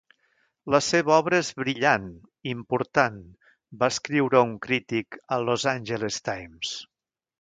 La seva obra és "brillant, important", va escriure un crític al "Los Angeles Times".